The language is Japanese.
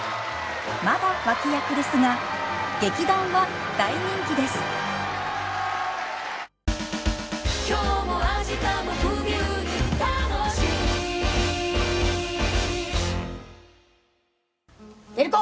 まだ脇役ですが劇団は大人気です照子！